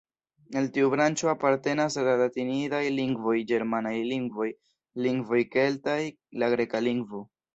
Al tiu branĉo apartenas la latinidaj lingvoj, ĝermanaj lingvoj, lingvoj keltaj, la greka lingvo.